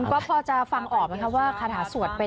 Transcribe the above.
คุณก๊อฟพอจะฟังออกไหมว่าคาถาสวดเป็น